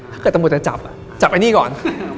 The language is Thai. ถ้าเกิดผมจะจับก็จับแอนนี้ก่อน